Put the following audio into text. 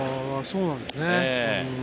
そうなんですね。